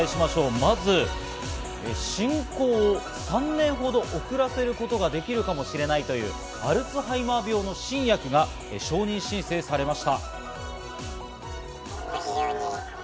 まず、進行を３年ほど遅らせることができるかもしれないというアルツハイマー病の新薬が承認申請されました。